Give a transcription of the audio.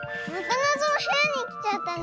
なぞのへやにきちゃったね。